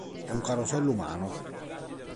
È un carosello umano.